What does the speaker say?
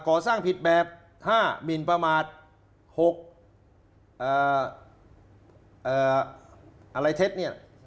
ก่อสร้างผิดแบบ๕มินประมาท๖อะไรเท็จเนี่ย